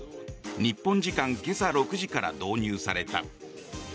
日本時間今朝６時から導入された。